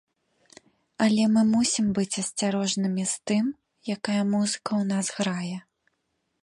Але мы мусім быць асцярожнымі з тым, якая музыка ў нас грае.